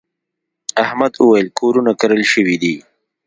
احمد وويل: کورونه کرل شوي دي.